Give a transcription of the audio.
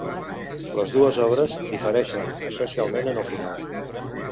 Les dues obres difereixen essencialment en el final.